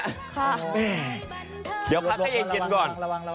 เดี๋ยวพัคให้นี่กินก่อน